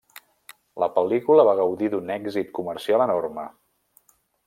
La pel·lícula va gaudir d'un èxit comercial enorme.